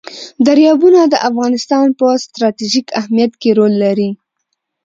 دریابونه د افغانستان په ستراتیژیک اهمیت کې رول لري.